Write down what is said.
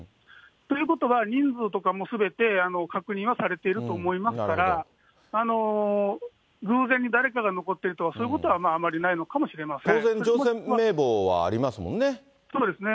ということは、人数とかもすべて確認はされていると思いますから、偶然に誰かが残っているとか、そういうことはあまりないのかもし当然、乗船名簿はありますもそうですね。